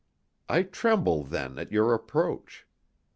I tremble then at your approach.